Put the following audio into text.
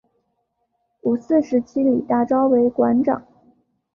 五四时期李大钊为馆长。